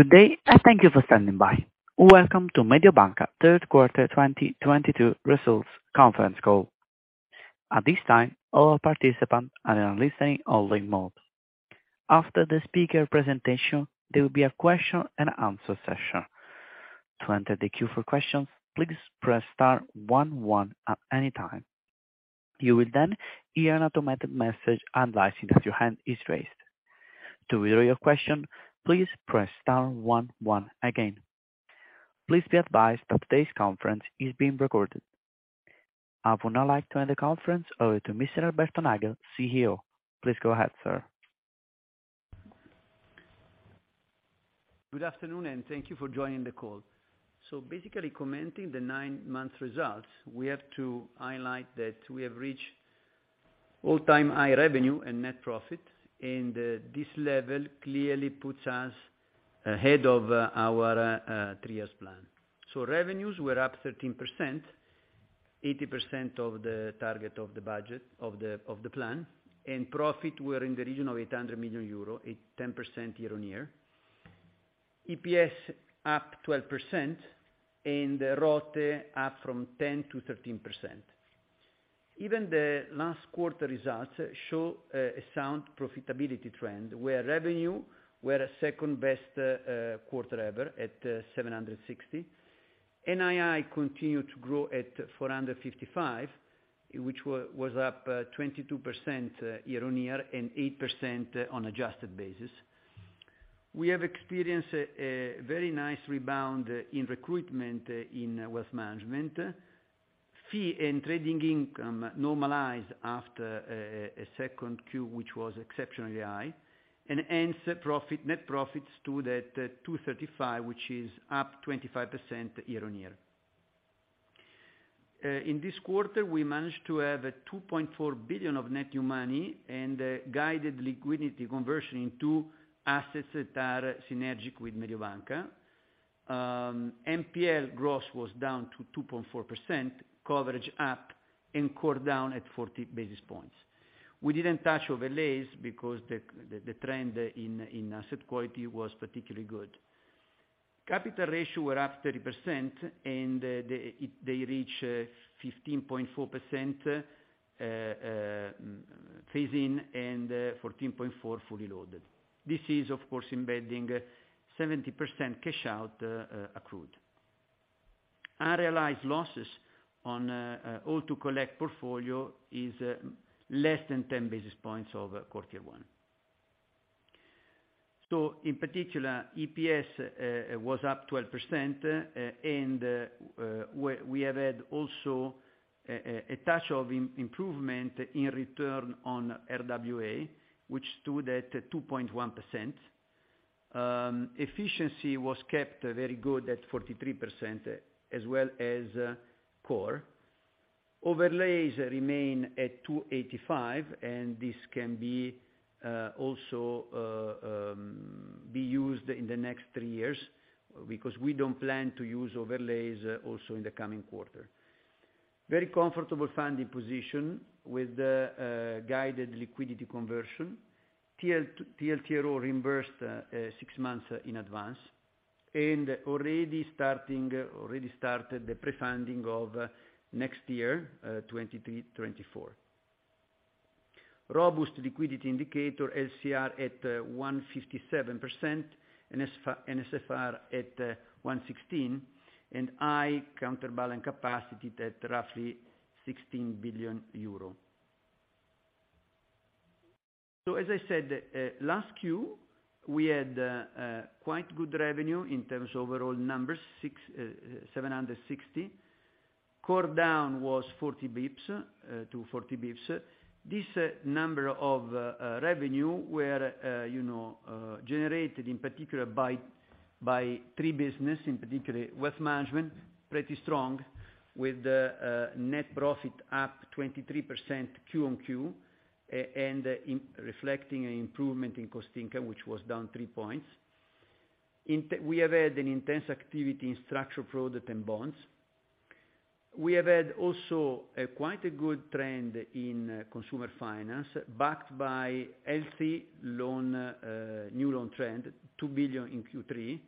Good day. Thank you for standing by. Welcome to Mediobanca third quarter 2022 results conference call. At this time, all participant are in listening only mode. After the speaker presentation, there will be a question and answer session. To enter the queue for questions, please press star one one at any time. You will hear an automated message advising that your hand is raised. To withdraw your question, please press star one one again. Please be advised that today's conference is being recorded. I would now like to hand the conference over to Mr. Alberto Nagel, CEO. Please go ahead, sir. Good afternoon. Thank you for joining the call. Basically commenting the 9-month results, we have to highlight that we have reached all-time high revenue and net profits, and this level clearly puts us ahead of our 3-year plan. Revenues were up 13%, 80% of the target of the budget, of the plan, and profit were in the region of 800 million euro, at 10% year-on-year. EPS up 12% and the ROTE up from 10% to 13%. Even the last quarter results show a sound profitability trend where revenue were a second best quarter ever at 760. NII continued to grow at 455, which was up 22% year-on-year and 8% on adjusted basis. We have experienced a very nice rebound in recruitment in wealth management. Fee and trading income normalized after a second Q, which was exceptionally high. Hence profit, net profits stood at 235, which is up 25% year-on-year. In this quarter, we managed to have 2.4 billion of net new money and guided liquidity conversion in two assets that are synergetic with Mediobanca. NPL gross was down to 2.4%, coverage up and core down at 40 basis points. We didn't touch overlays because the trend in asset quality was particularly good. Capital ratio were up 30% and they reach 15.4% phasing and 14.4% fully loaded. This is, of course, embedding 70% cash out accrued. Unrealized losses on all to collect portfolio is less than 10 basis points over quarter one. In particular, EPS was up 12%, and we have had also a touch of improvement in return on RWA, which stood at 2.1%. Efficiency was kept very good at 43% as well as core. Overlays remain at 285, and this can be also be used in the next 3 years because we don't plan to use overlays also in the coming quarter. Very comfortable funding position with the guided liquidity conversion. TLTRO reimbursed 6 months in advance and already started the pre-funding of next year, 2023, 2024. Robust liquidity indicator, LCR at 157%, NSFR at 116%, and high counter balance capacity at roughly EUR 16 billion. As I said, last Q, we had quite good revenue in terms of overall numbers, 760. Core down was 40 basis points to 40 basis points. This number of revenue were, you know, generated in particular by three business, in particular, wealth management, pretty strong with the net profit up 23% quarter-on-quarter, and reflecting an improvement in cost income, which was down 3 points. We have had an intense activity in structured product and bonds. We have had also a quite a good trend in consumer finance, backed by healthy loan, new loan trend, 2 billion in Q3.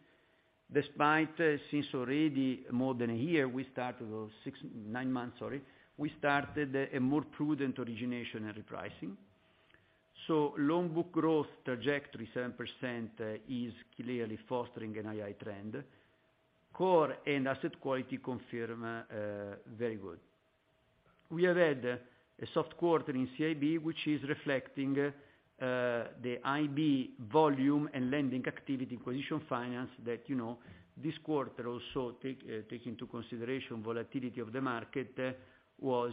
Despite since already more than a year, we started those 6-9 months, sorry. We started a more prudent origination and repricing. Loan book growth trajectory 7% is clearly fostering an NII trend. Core and asset quality confirm very good. We have had a soft quarter in CIB, which is reflecting the IB volume and lending activity position finance that, you know, this quarter also take into consideration volatility of the market was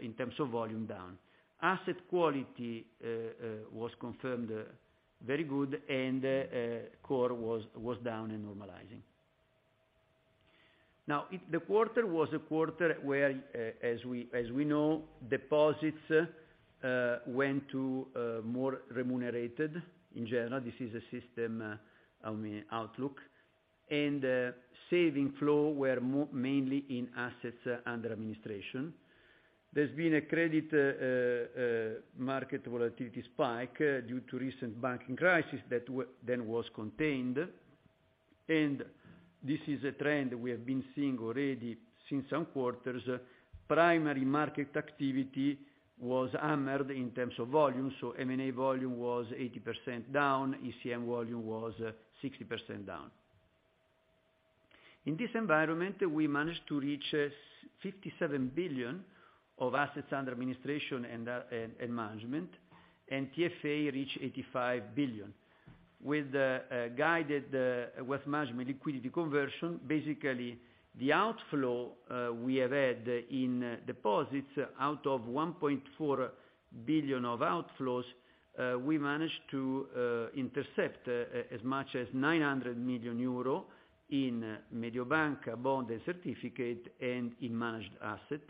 in terms of volume down. Asset quality was confirmed very good and core was down and normalizing. If the quarter was a quarter where, as we know, deposits went to more remunerated in general, this is a system, I mean, outlook. Saving flow were mainly in assets under administration. There's been a credit market volatility spike due to recent banking crisis that then was contained. This is a trend we have been seeing already since some quarters. Primary market activity was hammered in terms of volume, M&A volume was 80% down, ECM volume was 60% down. In this environment, we managed to reach 57 billion of assets under administration and management, and TFA reached 85 billion. With guided wealth management liquidity conversion, basically the outflow we have had in deposits out of 1.4 billion of outflows, we managed to intercept as much as 900 million euro in Mediobanca bond and certificate and in managed asset.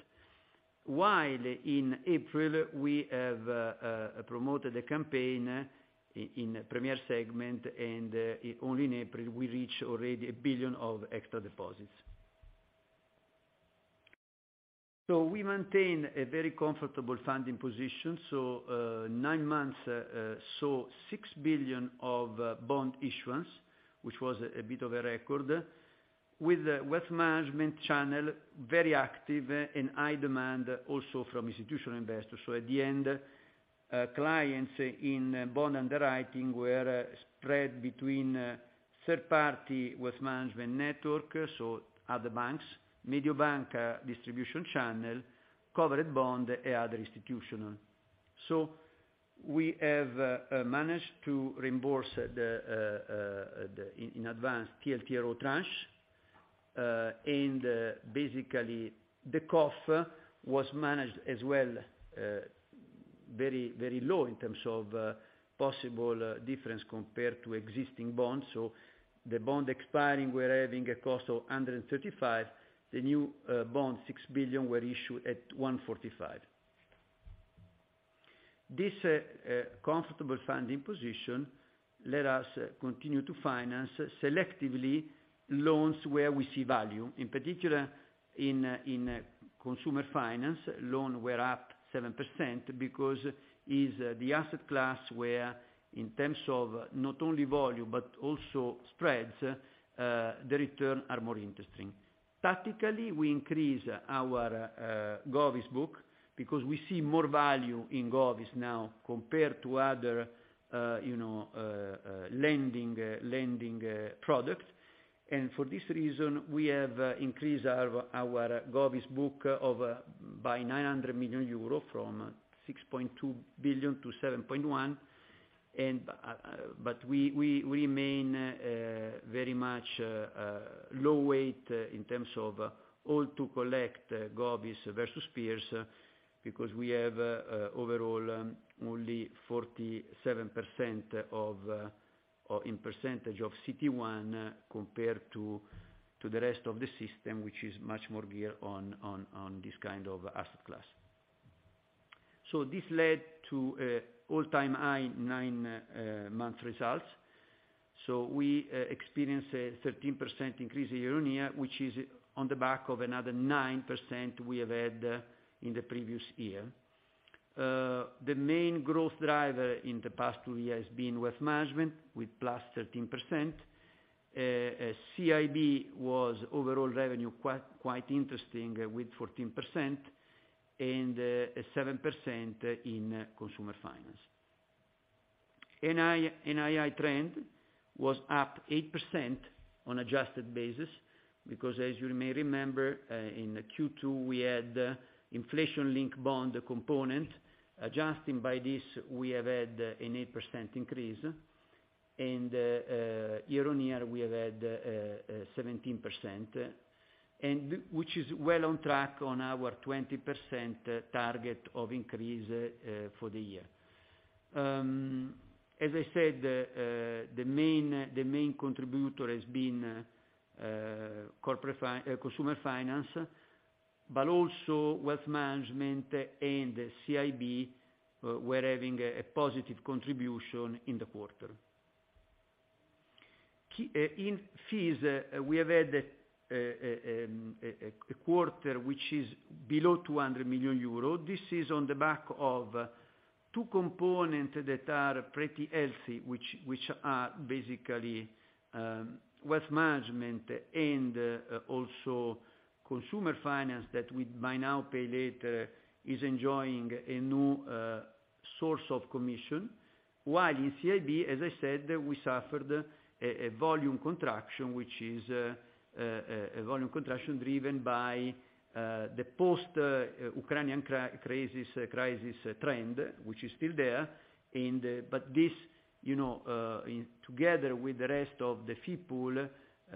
While in April, we have promoted a campaign in premier segment, and only in April, we reached already 1 billion of extra deposits. We maintain a very comfortable funding position. 9 months saw 6 billion of bond issuance, which was a bit of a record, with the wealth management channel very active and high demand also from institutional investors. At the end, clients in bond underwriting were spread between third party wealth management network, so other banks, Mediobanca distribution channel, covered bond and other institutional. We have managed to reimburse the in advanced TLTRO tranche, and basically the cost was managed as well, very, very low in terms of possible difference compared to existing bonds. The bond expiring, we're having a cost of 135. The new bonds, 6 billion, were issued at 145. This comfortable funding position let us continue to finance selectively loans where we see value. In particular, in consumer finance, loans were up 7% because it is the asset class where, in terms of not only volume, but also spreads, the return are more interesting. Tactically, we increase our Govis book because we see more value in Govis now compared to other, you know, lending products. For this reason, we have increased our Govis book by 900 million euro from 6.2 billion to 7.1 billion. We remain very much low weight in terms of all to collect Govis versus peers, because we have overall only 47% of in percentage of CET1 compared to the rest of the system, which is much more geared on this kind of asset class. This led to a all-time high 9-month results. We experienced a 13% increase year-on-year, which is on the back of another 9% we have had in the previous year. The main growth driver in the past two years has been wealth management with +13%. CIB was overall revenue quite interesting with 14% and 7% in consumer finance. NII trend was up 8% on adjusted basis, because as you may remember, in Q2, we had inflation-linked bond component. Adjusting by this, we have had an 8 increase. Year-on-year, we have had 17%, which is well on track on our 20% target of increase for the year. As I said, the main contributor has been consumer finance, but also wealth management and CIB were having a positive contribution in the quarter. Key in fees, we have had a quarter which is below 200 million euros. This is on the back of two components that are pretty healthy, which are basically wealth management and also consumer finance that with buy now, pay later is enjoying a new source of commission. While in CIB, as I said, we suffered a volume contraction, which is a volume contraction driven by the post-Ukrainian crisis trend, which is still there. This, together with the rest of the fee pool,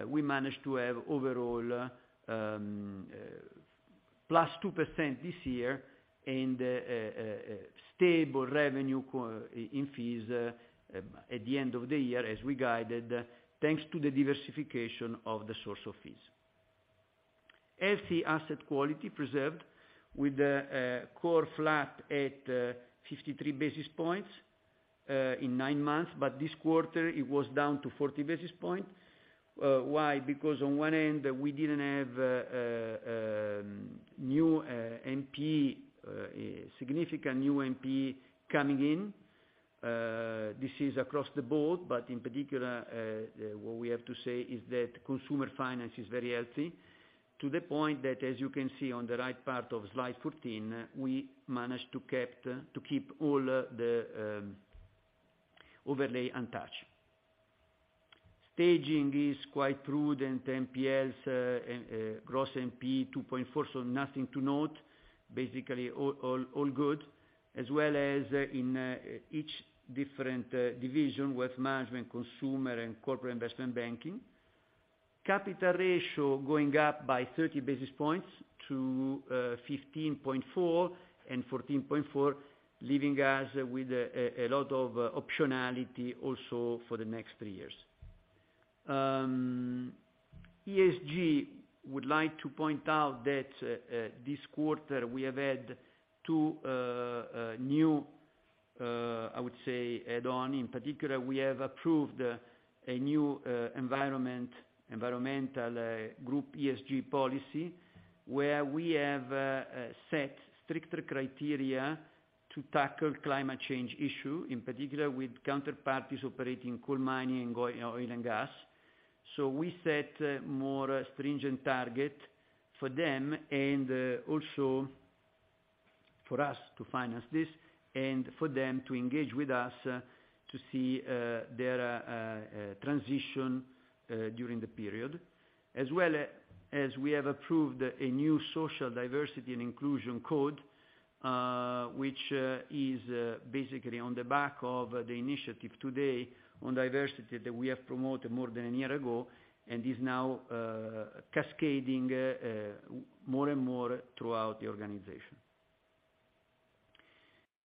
we managed to have overall +2% this year and stable revenue in fees at the end of the year, as we guided, thanks to the diversification of the source of fees. Healthy asset quality preserved with the core flat at 53 basis points in 9 months, but this quarter it was down to 40 basis point. Why? Because on one end we didn't have significant new NP coming in. This is across the board, but in particular, what we have to say is that consumer finance is very healthy, to the point that, as you can see on the right part of slide 14, we managed to keep all the overlay untouched. Staging is quite prudent. NPLs and gross NPE 2.4, nothing to note. Basically all good, as well as in each different division with management, consumer, and Corporate & Investment Banking. Capital ratio going up by 30 basis points to 15.4 and 14.4, leaving us with a lot of optionality also for the next 3 years. ESG would like to point out that this quarter we have had two new, I would say add-on. In particular, we have approved a new environmental group ESG policy, where we have set stricter criteria to tackle climate change issue, in particular with counterparties operating coal mining and oil and gas. We set more stringent target for them and also for us to finance this, and for them to engage with us to see their transition during the period. As well as we have approved a new social diversity and inclusion code, which is basically on the back of the initiative today on diversity that we have promoted more than a year ago and is now cascading more and more throughout the organization.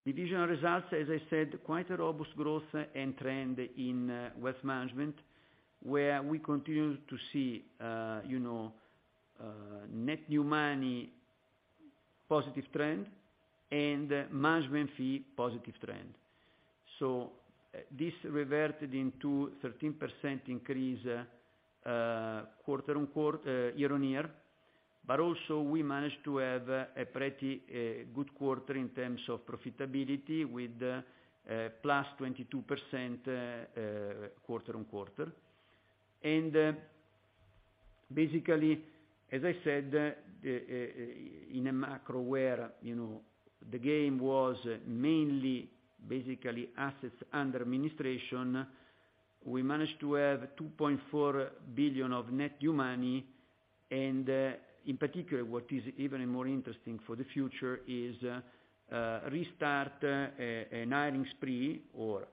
Division results, as I said, quite a robust growth and trend in wealth management, where we continue to see, you know, net new money positive trend and management fee positive trend. This reverted into 13% increase, quarter-on-quarter, year-on-year. Also we managed to have a pretty good quarter in terms of profitability with +22% quarter-on-quarter. Basically, as I said, in a macro where, you know, the game was mainly basically assets under administration, we managed to have 2.4 billion of net new money. In particular what is even more interesting for the future is restart a hiring spree or,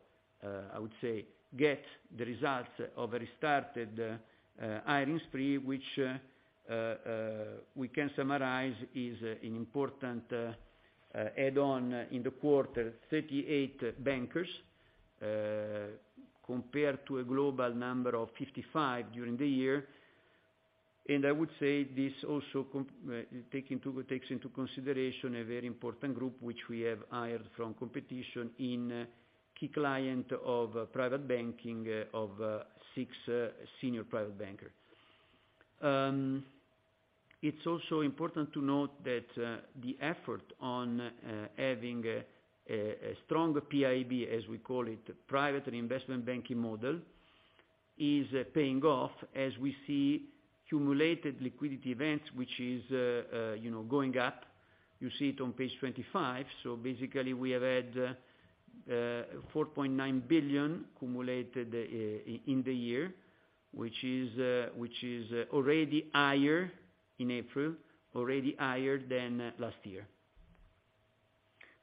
I would say get the results of a restarted hiring spree, which we can summarize is an important add-on in the quarter, 38 bankers compared to a global number of 55 during the year. I would say this also takes into consideration a very important group which we have hired from competition in key client of private banking of 6 senior private banker. It's also important to note that the effort on having a strong PIB, as we call it, private and investment banking model, is paying off as we see cumulative liquidity events, which is, you know, going up. You see it on page 25. Basically we have had 4.9 billion accumulated in the year, which is already higher in April, already higher than last year.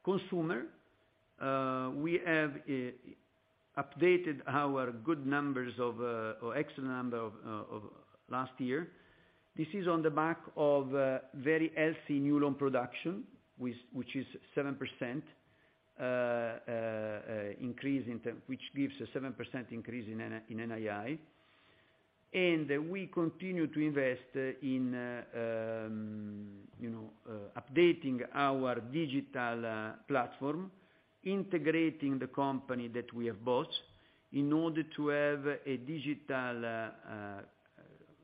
Consumer, we have updated our good numbers of or excellent number of last year. This is on the back of very healthy new loan production, which is a 7% increase in term, which gives a 7% increase in NII. We continue to invest in, you know, updating our digital platform, integrating the company that we have bought in order to have a digital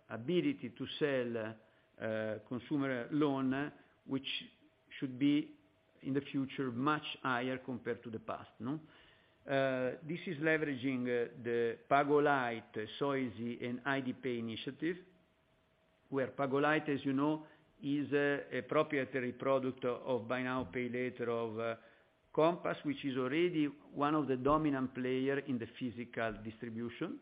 ability to sell consumer loan, which should be, in the future, much higher compared to the past, no? This is leveraging the PagoLight, Soisy and IDPay initiative, where PagoLight, as you know, is a proprietary product of buy now, pay later of Compass, which is already one of the dominant player in the physical distribution,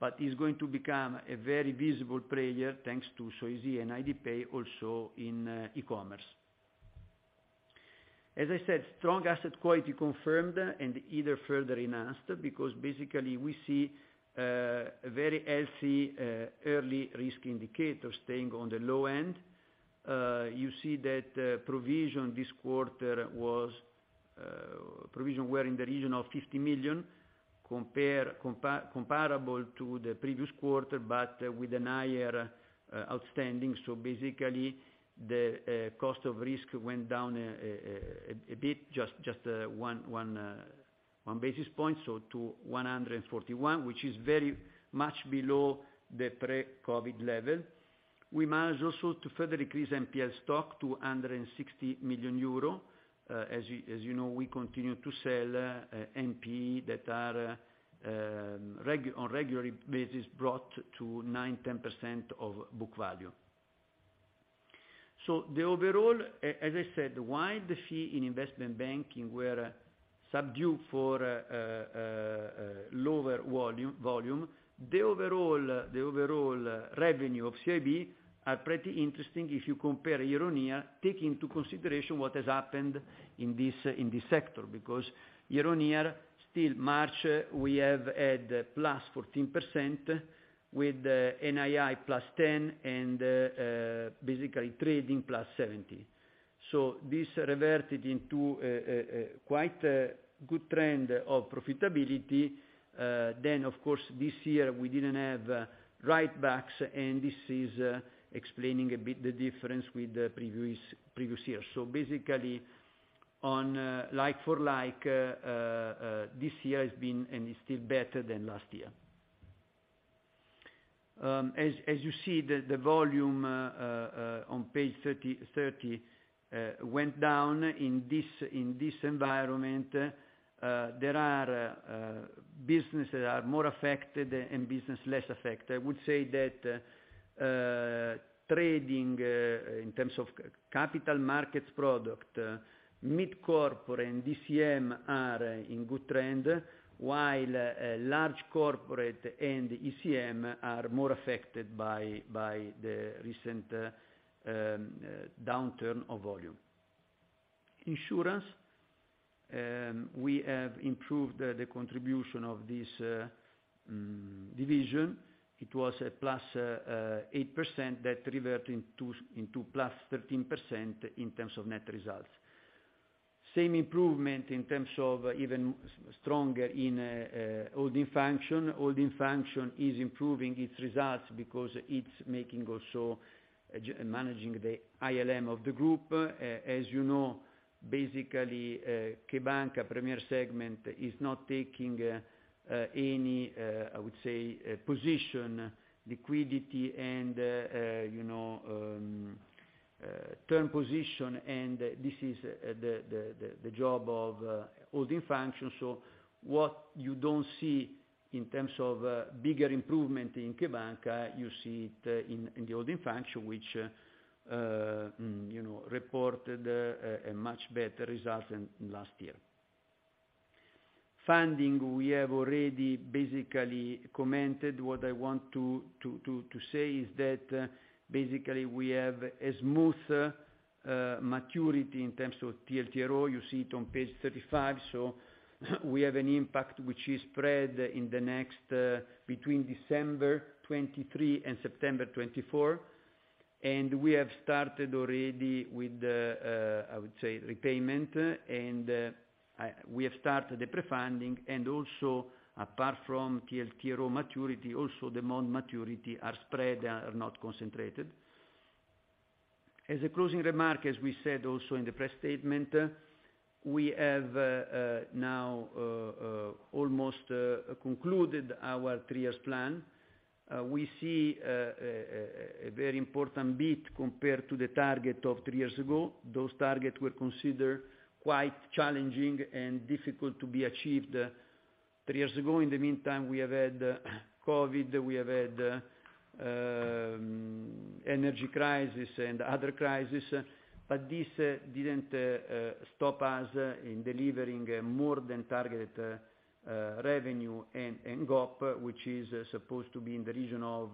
but is going to become a very visible player, thanks to Soisy and IDPay also in e-commerce. As I said, strong asset quality confirmed and either further enhanced because basically we see a very healthy early risk indicator staying on the low end. You see that provision were in the region of 50 million comparable to the previous quarter, but with an higher outstanding. Basically the cost of risk went down a bit, just one basis point, so to 141, which is very much below the pre-COVID level. We managed also to further increase NPL stock to under 60 million euro. As you know, we continue to sell NPE that are on regularly basis brought to 9%, 10% of book value. The overall, as I said, while the fee in investment banking were subdued for lower volume, the overall revenue of CIB are pretty interesting if you compare year-on-year, take into consideration what has happened in this sector, because year-on-year, still March, we have had +14% with NII +10% and basically trading +70%. This reverted into quite a good trend of profitability. Of course, this year we didn't have write-backs, and this is explaining a bit the difference with the previous year. Basically on like-for-like, this year has been, and is still better than last year. As you see, the volume on page 30 went down in this environment, there are businesses are more affected and business less affected. I would say that trading in terms of capital markets product, mid corporate and DCM are in good trend, while large corporate and ECM are more affected by the recent downturn of volume. Insurance, we have improved the contribution of this division. It was a plus 8% that revert into +13% in terms of net results. Same improvement in terms of even stronger in holding function. Holding function is improving its results because it's making also managing the ILM of the group. As you know, basically, CheBanca! premier segment is not taking any I would say position, liquidity and you know term position and this is the job of holding function. What you don't see in terms of bigger improvement in CheBanca!, you see it in the holding function, which you know reported a much better result than last year. Funding, we have already basically commented. What I want to say is that basically we have a smooth maturity in terms of TLTRO. You see it on page 35. We have an impact which is spread in the next between December 2023 and September 2024. We have started already with the I would say repayment, and we have started the pre-funding. Also, apart from TLTRO maturity, also the maturity are spread, are not concentrated. As a closing remark, as we said also in the press statement, we have now almost concluded our 3 years plan. We see a very important beat compared to the target of 3 years ago. Those targets were considered quite challenging and difficult to be achieved 3 years ago. In the meantime, we have had COVID, we have had energy crisis and other crisis, but this didn't stop us in delivering more than targeted revenue and GOP, which is supposed to be in the region of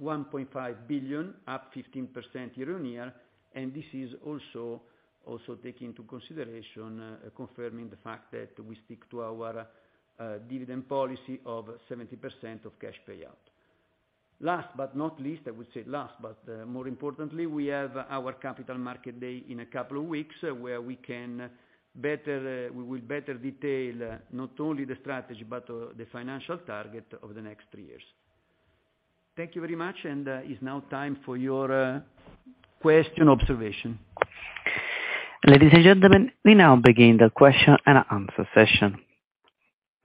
1.5 billion, up 15% year-on-year. This is also take into consideration confirming the fact that we stick to our dividend policy of 70% of cash payout. Last but not least, I would say last, but more importantly, we have our Capital Market Day in a couple of weeks where we can better, we will better detail not only the strategy, but the financial target of the next 3 years. Thank you very much. It's now time for your question observation. Ladies and gentlemen, we now begin the question-and-answer session.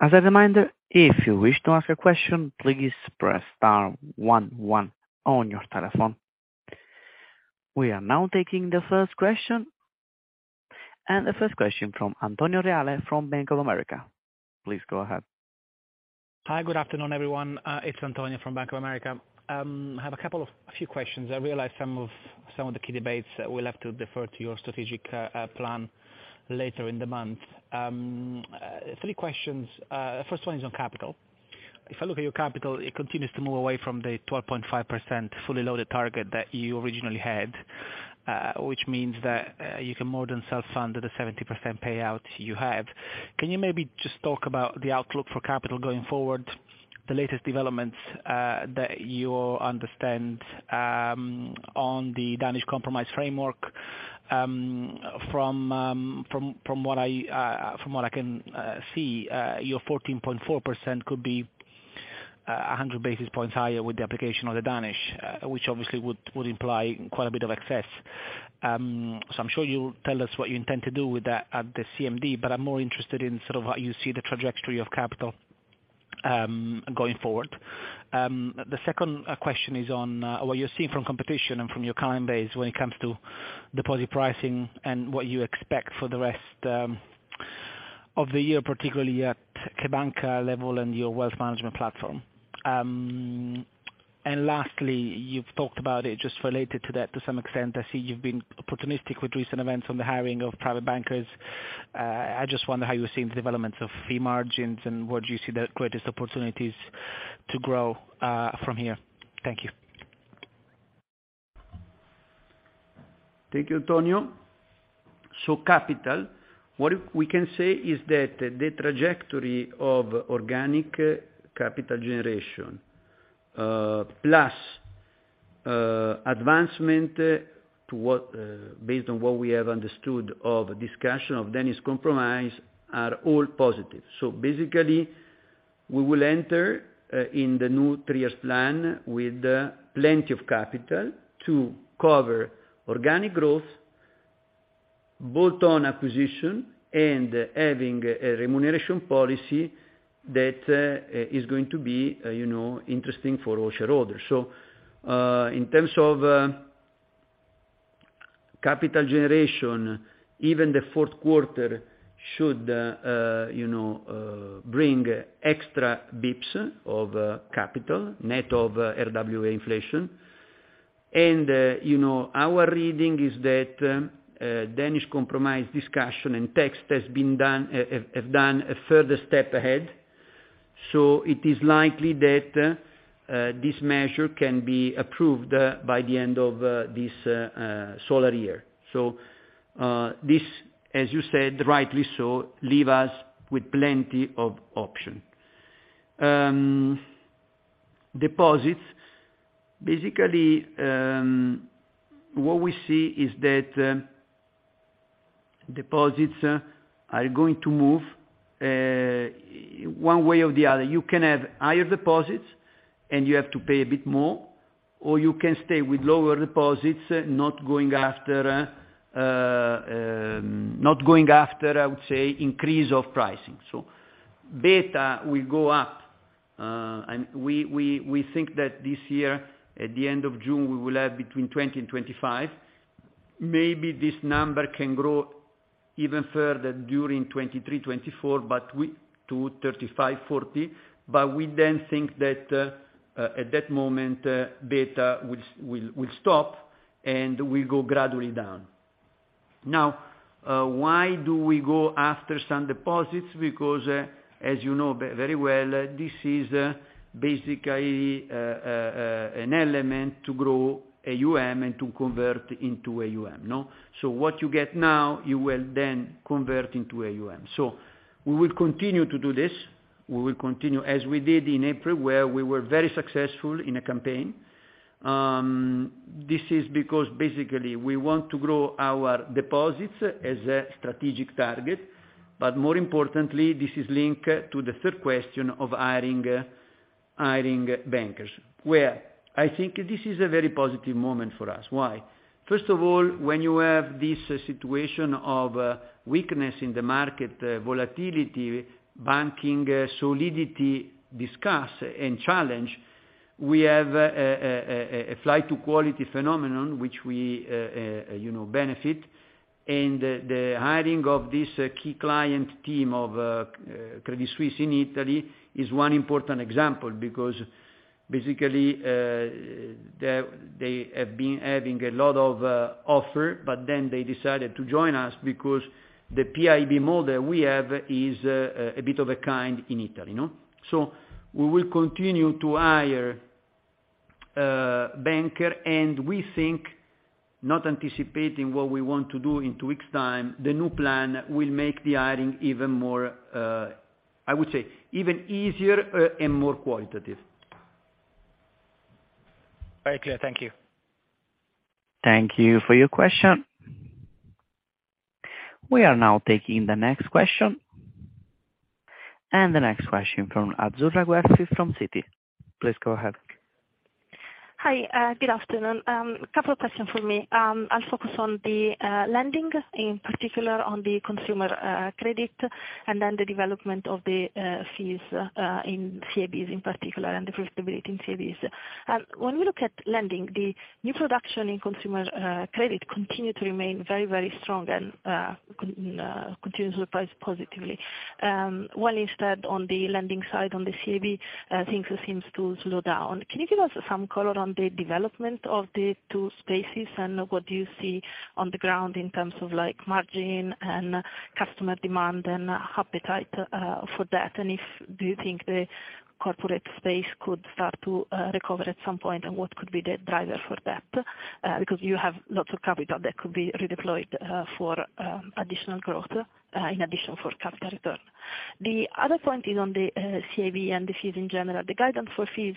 As a reminder, if you wish to ask a question, please press star one one on your telephone. We are now taking the first question. The first question from Antonio Reale from Bank of America. Please go ahead. Hi, good afternoon, everyone. It's Antonio from Bank of America. Have a few questions. I realize some of the key debates we'll have to defer to your strategic plan later in the month. Three questions. First one is on capital. If I look at your capital, it continues to move away from the 12.5% fully loaded target that you originally had, which means that you can more than self-fund at the 70% payout you have. Can you maybe just talk about the outlook for capital going forward, the latest developments that you understand on the Danish Compromise framework? From what I can see, your 14.4% could be 100 basis points higher with the application of the Danish, which obviously would imply quite a bit of excess. I'm sure you'll tell us what you intend to do with that at the CMD, but I'm more interested in sort of how you see the trajectory of capital going forward. The second question is on what you're seeing from competition and from your client base when it comes to deposit pricing and what you expect for the rest of the year, particularly at CheBanca! level and your wealth management platform. Lastly, you've talked about it just related to that to some extent. I see you've been opportunistic with recent events on the hiring of private bankers. I just wonder how you're seeing the developments of fee margins and where do you see the greatest opportunities to grow from here? Thank you. Thank you, Antonio. Capital, what if we can say is that the trajectory of organic capital generation, plus advancement to what, based on what we have understood of discussion of Danish Compromise are all positive. Basically, we will enter in the new 3-year plan with plenty of capital to cover organic growth, bolt-on acquisition, and having a remuneration policy that is going to be, you know, interesting for all shareholders. In terms of capital generation, even the fourth quarter should, you know, bring extra basis points of capital, net of RWA inflation. You know, our reading is that Danish Compromise discussion and text have done a further step ahead. It is likely that this measure can be approved by the end of this solar year. This, as you said, rightly so, leave us with plenty of option. Deposits. Basically, what we see is that deposits are going to move one way or the other. You can have higher deposits, and you have to pay a bit more, or you can stay with lower deposits, not going after, I would say, increase of pricing. Beta will go up, and we think that this year, at the end of June, we will have between 20 and 25. Maybe this number can grow even further during 2023, 2024, but we, to 35, 40, but we then think that, at that moment, beta will stop, and will go gradually down. Why do we go after some deposits? Because, as you know very well, this is basically an element to grow AUM and to convert into AUM, no. What you get now, you will then convert into AUM. We will continue to do this. We will continue as we did in April, where we were very successful in a campaign. This is because basically we want to grow our deposits as a strategic target, more importantly, this is linked to the third question of hiring bankers, where I think this is a very positive moment for us. Why? First of all, when you have this situation of weakness in the market, volatility, banking solidity discuss and challenge, we have a flight to quality phenomenon, which we, you know, benefit. The hiring of this key client team of Credit Suisse in Italy is one important example because basically, they have been having a lot of offer, but then they decided to join us because the PIB model we have is a bit of a kind in Italy, no? We will continue to hire banker, and we think not anticipating what we want to do in two weeks' time, the new plan will make the hiring even more, I would say, even easier, and more qualitative. Very clear. Thank you. Thank you for your question. We are now taking the next question. The next question from Azzurra Guelfi from Citi. Please go ahead. Hi, good afternoon. A couple of questions for me. I'll focus on the lending, in particular on the consumer credit, and then the development of the fees in CIB in particular, and the profitability in CIB. When we look at lending, the new production in consumer credit continued to remain very, very strong and continues to look price positively. One instead on the lending side, on the CIB, things seems to slow down. Can you give us some color on the development of the two spaces and what do you see on the ground in terms of like margin and customer demand and appetite for that? Do you think the corporate space could start to recover at some point, and what could be the driver for that? Because you have lots of capital that could be redeployed for additional growth in addition for capital return. The other point is on the CIB and the fees in general, the guidance for fees,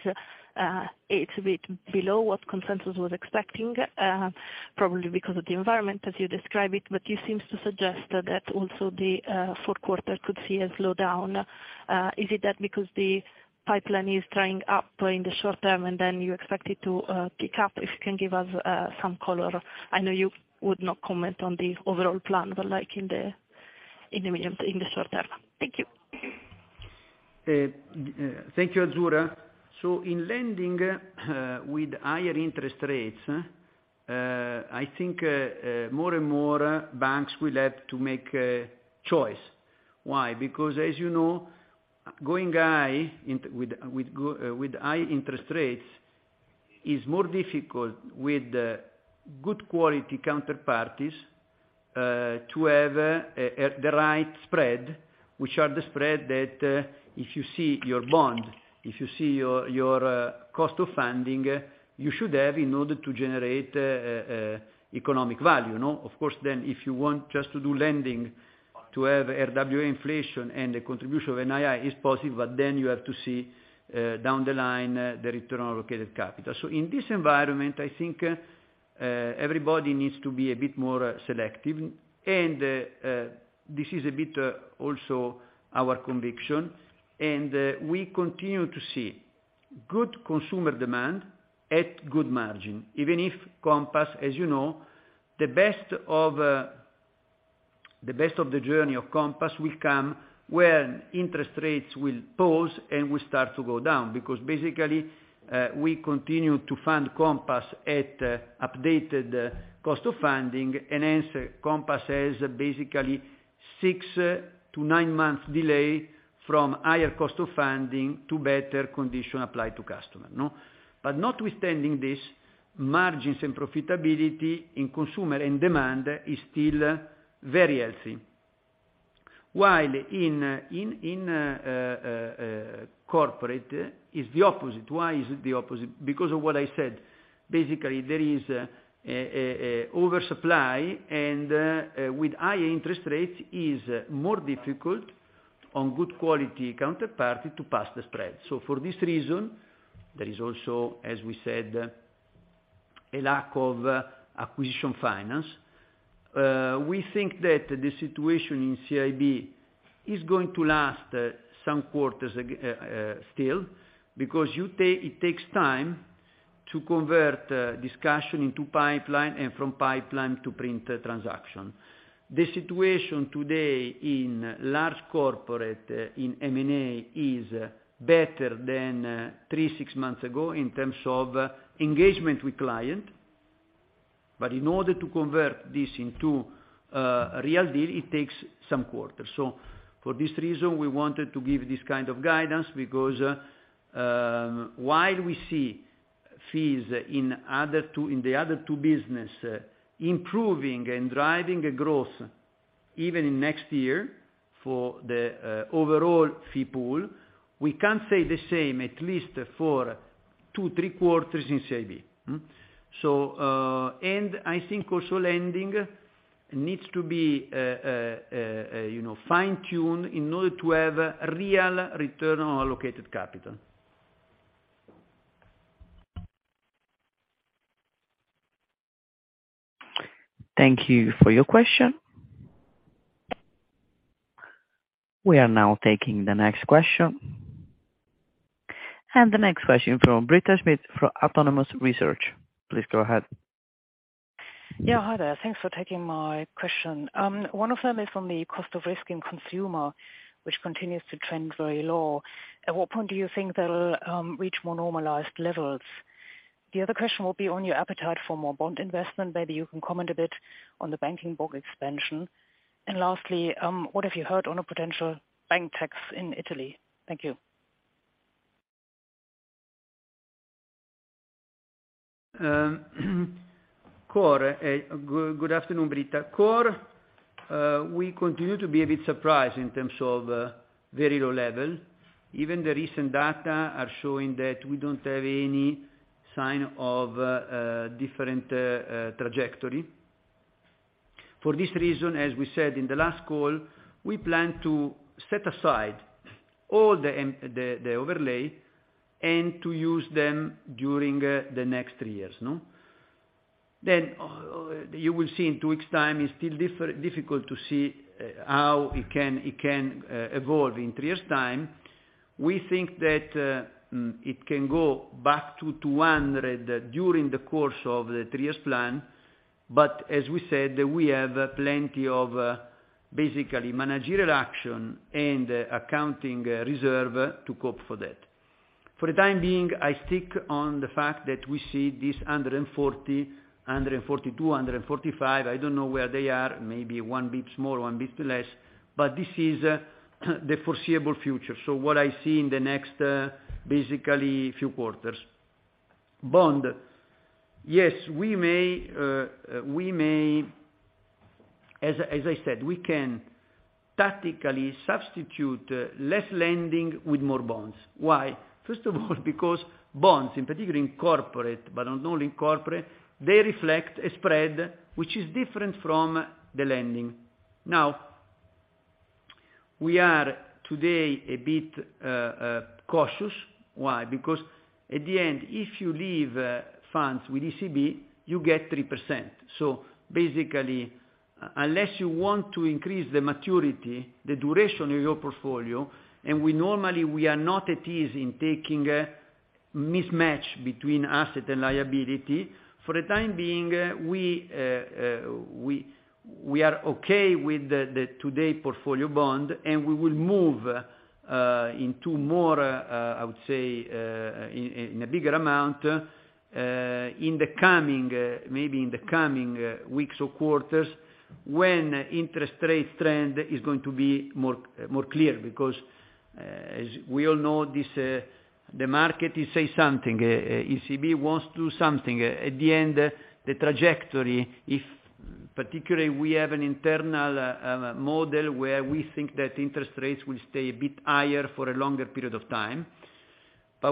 it's a bit below what consensus was expecting, probably because of the environment as you describe it, but you seems to suggest that also the fourth quarter could see a slowdown. Is it that because the pipeline is drying up in the short term, and then you expect it to pick up? If you can give us some color. I know you would not comment on the overall plan, but in the medium, in the short term. Thank you. Thank you, Azzurra. In lending, with higher interest rates, I think more and more banks will have to make a choice. Why? Because as you know, going high in, with high interest rates is more difficult with good quality counterparties to have the right spread, which are the spread that if you see your bond, if you see your cost of funding, you should have in order to generate economic value, you know. Of course if you want just to do lending to have RWA inflation and the contribution of NII is positive, you have to see down the line the return on allocated capital. In this environment, I think, everybody needs to be a bit more selective and, this is a bit also our conviction, and, we continue to see good consumer demand at good margin. Even if Compass, as you know, the best of, the best of the journey of Compass will come when interest rates will pause, and will start to go down. Basically, we continue to fund Compass at updated cost of funding, and hence Compass has basically six to nine months delay from higher cost of funding to better condition applied to customer, you know. Notwithstanding this, margins and profitability in consumer and demand is still very healthy. While in corporate is the opposite. Why is it the opposite? Because of what I said. Basically, there is oversupply and with high interest rates is more difficult on good quality counterparty to pass the spread. For this reason, there is also, as we said, a lack of acquisition finance. We think that the situation in CIB is going to last some quarters still, because it takes time to convert discussion into pipeline and from pipeline to print transaction. The situation today in large corporate in M&A is better than three, six months ago in terms of engagement with client. In order to convert this into real deal, it takes some quarters. For this reason, we wanted to give this kind of guidance because, while we see fees in the other 2 business improving and driving growth even in next year for the overall fee pool, we can't say the same at least for 2, 3 quarters in CIB. And I think also lending needs to be, you know, fine-tuned in order to have real return on allocated capital. Thank you for your question. We are now taking the next question. The next question from Britta Schmidt from Autonomous Research. Please go ahead. Yeah. Hi there. Thanks for taking my question. One of them is on the cost of risk in consumer, which continues to trend very low. At what point do you think they'll, reach more normalized levels? The other question will be on your appetite for more bond investment. Maybe you can comment a bit on the banking book expansion. Lastly, what have you heard on a potential bank tax in Italy? Thank you. Core, good afternoon, Britta. Core, we continue to be a bit surprised in terms of very low level. Even the recent data are showing that we don't have any sign of different trajectory. For this reason, as we said in the last call, we plan to set aside all the overlay and to use them during the next 3 years, you know. You will see in 2 weeks' time it's still difficult to see how it can, it can evolve in 3 years' time. We think that it can go back to 200 during the course of the 3 years plan, as we said, we have plenty of basically managerial action and accounting reserve to cope for that. For the time being, I stick on the fact that we see this 140, 142, 145. I don't know where they are. Maybe one bit more, one bit less, but this is the foreseeable future. What I see in the next basically few quarters. Bond. Yes, we may. As I said, we can tactically substitute less lending with more bonds. Why? First of all, because bonds, in particular in corporate, but not only in corporate, they reflect a spread which is different from the lending. We are today a bit cautious. Why? Because at the end, if you leave funds with ECB, you get 3%. Basically, unless you want to increase the maturity, the duration of your portfolio, and we normally we are not at ease in taking a mismatch between asset and liability. For the time being, we are okay with the today portfolio bond, and we will move into more, I would say, in a bigger amount, in the coming, maybe in the coming weeks or quarters when interest rate trend is going to be more clear. As we all know, this, the market is say something, ECB wants to something. At the end, the trajectory, if particularly we have an internal model where we think that interest rates will stay a bit higher for a longer period of time,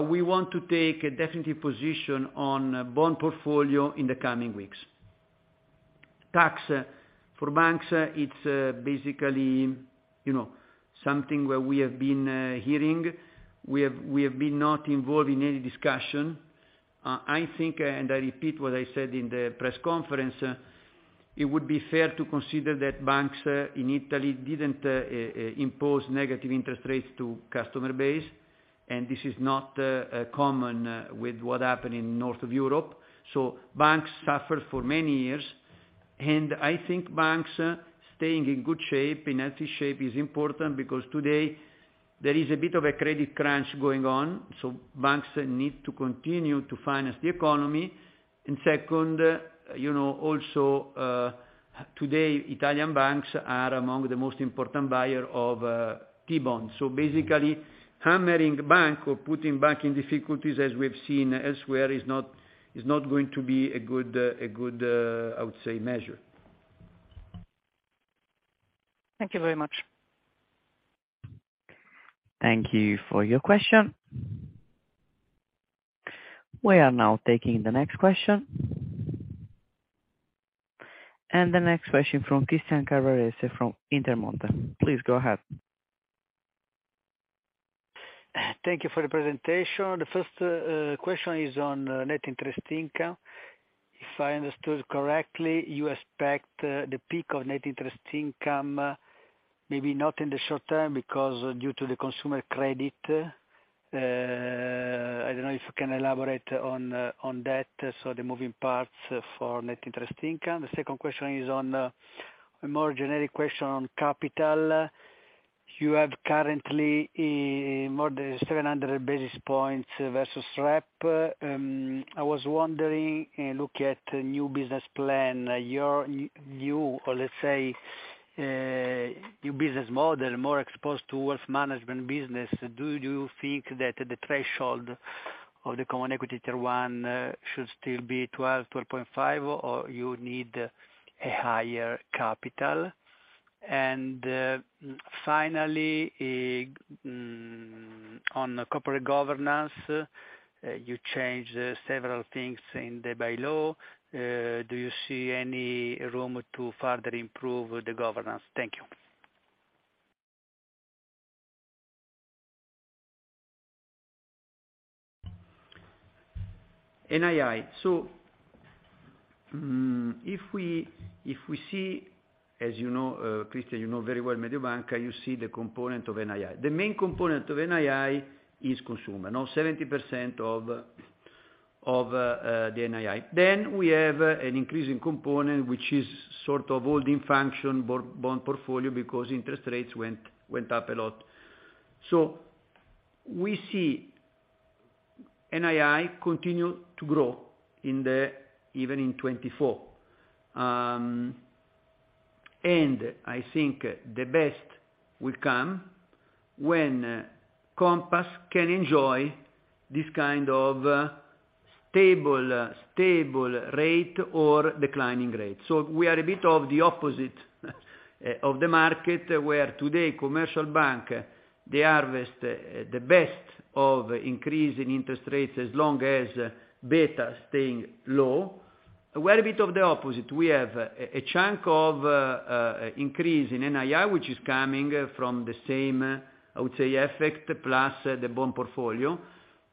we want to take a definitive position on bond portfolio in the coming weeks. Tax, for banks, it's basically, you know, something where we have been hearing. We have been not involved in any discussion. I think, and I repeat what I said in the press conference, it would be fair to consider that banks in Italy didn't impose negative interest rates to customer base, this is not common with what happened in north of Europe. Banks suffered for many years. I think banks staying in good shape, in healthy shape is important because today there is a bit of a credit crunch going on, so banks need to continue to finance the economy. Second, you know, also, today, Italian banks are among the most important buyer of T-bond. Basically, hammering bank or putting bank in difficulties, as we've seen elsewhere, is not going to be a good, a good, I would say, measure. Thank you very much. Thank you for your question. We are now taking the next question. The next question from Christian Carrese from Intermonte. Please go ahead. Thank you for the presentation. The first question is on net interest income. If I understood correctly, you expect the peak of net interest income, maybe not in the short term because due to the consumer credit. I don't know if you can elaborate on that, so the moving parts for net interest income. The second question is on a more generic question on capital. You have currently more than 700 basis points versus REP. I was wondering, look at new business plan, your new or let's say, new business model, more exposed towards management business, do you think that the threshold of the common equity tier one should still be 12.5, or you need a higher capital? Finally, on the corporate governance, you changed several things in the bylaw. Do you see any room to further improve the governance? Thank you. NII. If we see, as you know, Christian, you know very well Mediobanca, you see the component of NII. The main component of NII is consumer, now 70% of the NII. We have an increasing component, which is sort of holding function bond portfolio because interest rates went up a lot. We see NII continue to grow in the, even in 2024. And I think the best will come when Compass can enjoy this kind of stable rate or declining rate. We are a bit of the opposite of the market, where today commercial bank, they harvest the best of increase in interest rates as long as beta staying low. We're a bit of the opposite. We have a chunk of increase in NII, which is coming from the same, I would say, effect plus the bond portfolio.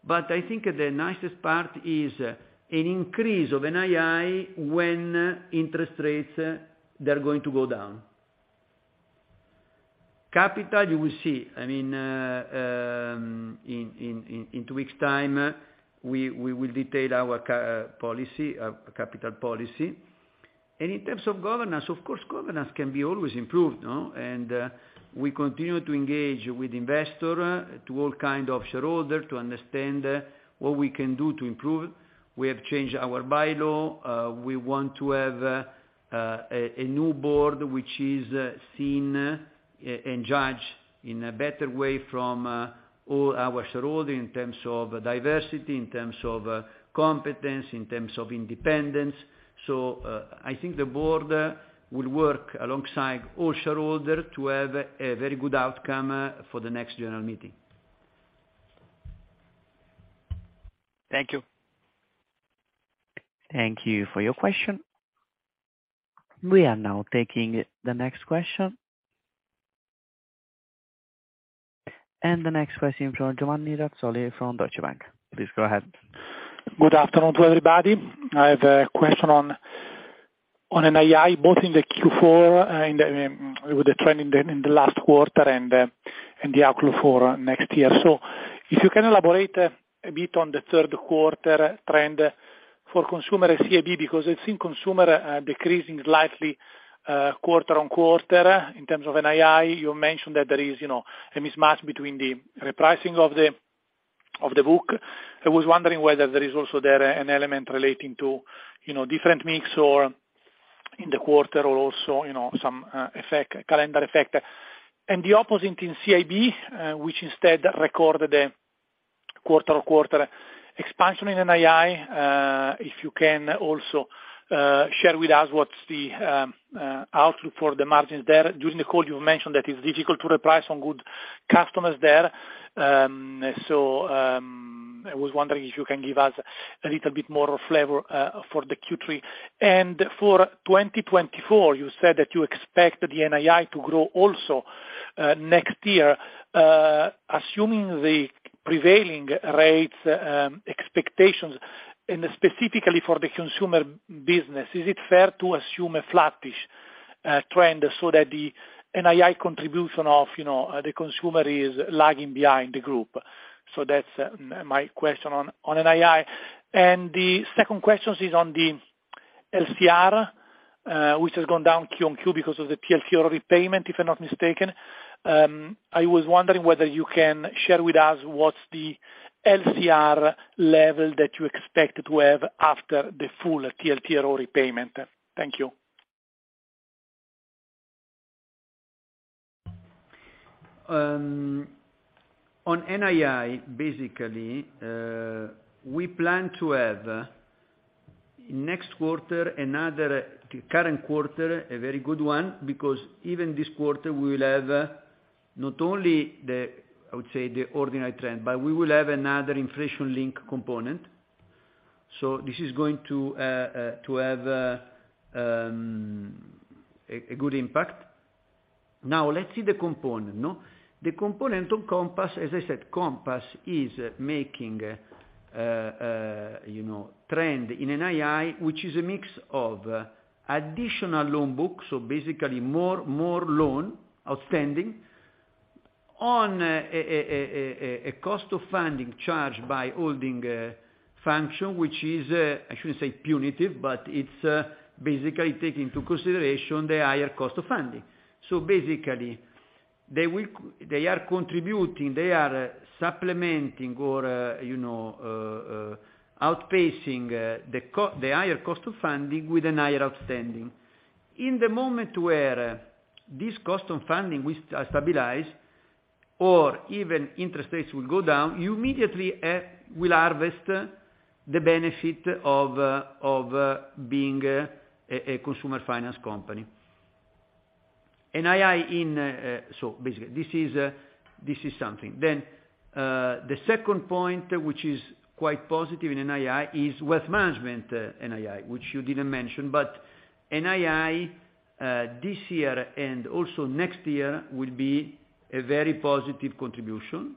I think the nicest part is an increase of NII when interest rates, they're going to go down. Capital, you will see. I mean, in two weeks time, we will detail our capital policy. In terms of governance, of course, governance can be always improved, you know. We continue to engage with investor to all kind of shareholder to understand what we can do to improve. We have changed our bylaw. We want to have a new board, which is seen and judged in a better way from all our shareholder in terms of diversity, in terms of competence, in terms of independence. I think the board will work alongside all shareholder to have a very good outcome for the next general meeting. Thank you. Thank you for your question. We are now taking the next question. The next question from Giovanni Razzoli from Deutsche Bank. Please go ahead. Good afternoon to everybody. I have a question on an AI, both in the Q4, with the trend in the last quarter and the outlook for next year. If you can elaborate a bit on the third quarter trend for consumer and CIB, because it's in consumer, decreasing slightly, quarter-on-quarter in terms of NII. You mentioned that there is, you know, a mismatch between the repricing of the book. I was wondering whether there is also there an element relating to, you know, different mix or in the quarter or also, you know, some effect, calendar effect. The opposite in CIB, which instead recorded a quarter-on-quarter expansion in NII. If you can also share with us what's the outlook for the margins there. During the call you mentioned that it's difficult to reprice on good customers there. So, I was wondering if you can give us a little bit more flavor for the Q3. For 2024, you said that you expect the NII to grow also next year, assuming the prevailing rates expectations and specifically for the consumer business, is it fair to assume a flattish trend so that the NII contribution of, you know, the consumer is lagging behind the group? That's my question on NII. The second question is on the LCR, which has gone down Q on Q because of the TLTRO repayment, if I'm not mistaken. I was wondering whether you can share with us what's the LCR level that you expect to have after the full TLTRO repayment. Thank you. On NII, basically, we plan to have next quarter another current quarter, a very good one, because even this quarter we will have not only the, I would say, the ordinary trend, but we will have another inflation link component. This is going to have a good impact. Now let's see the component, no? The component on Compass, as I said, Compass is making, you know, trend in NII, which is a mix of additional loan books, so basically more loan outstanding on a cost of funding charged by holding function, which is, I shouldn't say punitive, but it's basically take into consideration the higher cost of funding. Basically, they are contributing, they are supplementing or, you know, outpacing the higher cost of funding with an higher outstanding. In the moment where this cost of funding will stabilize or even interest rates will go down, you immediately will harvest the benefit of being a consumer finance company. NII in. Basically, this is something. The second point, which is quite positive in NII, is wealth management NII, which you didn't mention, but NII this year and also next year will be a very positive contribution.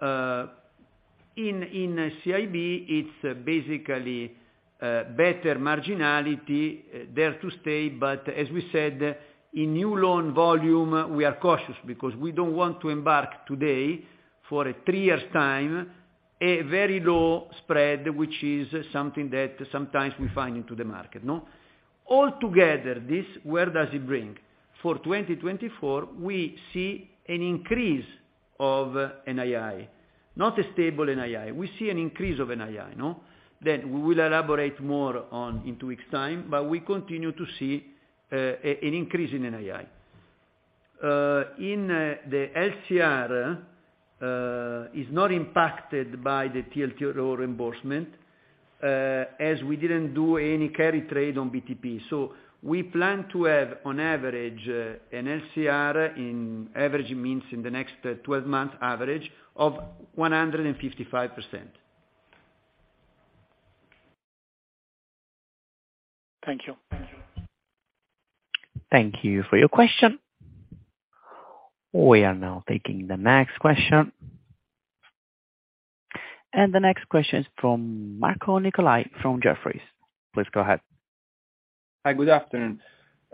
In CIB, it's basically better marginality there to stay, but as we said, in new loan volume, we are cautious because we don't want to embark today for a 3 years time a very low spread, which is something that sometimes we find into the market, no? All together, this where does it bring? For 2024, we see an increase of NII. Not a stable NII. We see an increase of NII, no? That we will elaborate more on in 2 weeks time, but we continue to see an increase in NII. In the LCR is not impacted by the TLTRO reimbursement, as we didn't do any carry trade on BTP. We plan to have on average an LCR in average means in the next 12 month average of 155%. Thank you. Thank you for your question. We are now taking the next question. The next question is from Marco Nicolai from Jefferies. Please go ahead. Hi, good afternoon.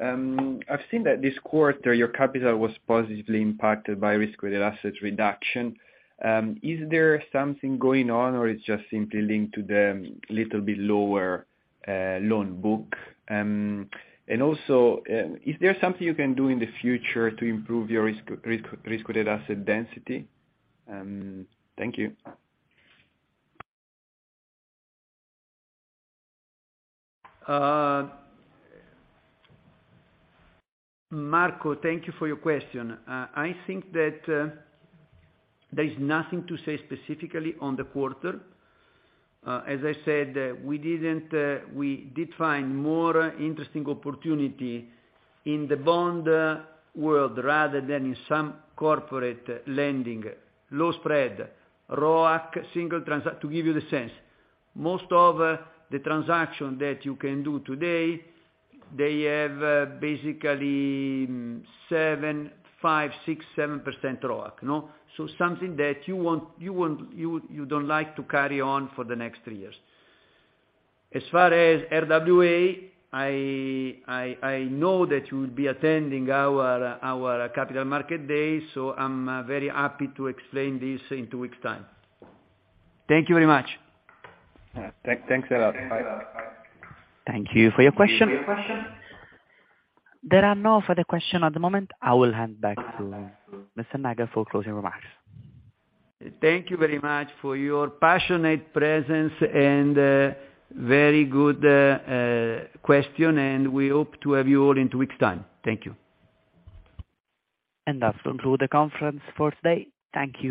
I've seen that this quarter your capital was positively impacted by risk-weighted assets reduction. Is there something going on or it's just simply linked to the little bit lower loan book? Is there something you can do in the future to improve your risk-weighted asset density? Thank you. Marco, thank you for your question. I think that there is nothing to say specifically on the quarter. As I said, we didn't, we did find more interesting opportunity in the bond world rather than in some corporate lending, low spread, ROAC, single transaction. To give you the sense, most of the transaction that you can do today, they have basically 7%, 5%, 6%, 7% ROAC, no? So something that you don't like to carry on for the next three years. As far as RWA, I know that you will be attending our Capital Market Day, so I'm very happy to explain this in two weeks time. Thank you very much. Thanks a lot. Bye. Thank you for your question. There are no further question at the moment. I will hand back to Mr. Nagel for closing remarks. Thank you very much for your passionate presence and very good question, and we hope to have you all in two weeks time. Thank you. That concludes the conference for today. Thank you.